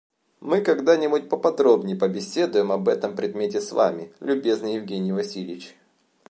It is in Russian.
Мы когда-нибудь поподробнее побеседуем об этом предмете с вами, любезный Евгений Васильич.